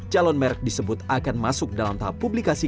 calon merek disebut akan masuk dalam tahap publikasi